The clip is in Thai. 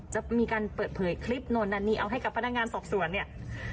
จะมีการเปิดเผยคลิปโน่นอันนี้เอาให้กับพนักงานสอบสวนเนี่ย